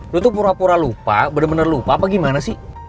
lo tuh pura pura lupa bener bener lupa apa gimana sih